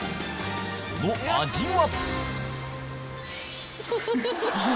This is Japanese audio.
その味は？